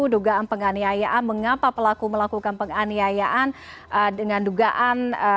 dugaan penganiayaan mengapa pelaku melakukan penganiayaan dengan dugaan